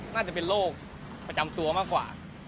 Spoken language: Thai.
น่าจะเป็นโรคประจำตัวมากกว่า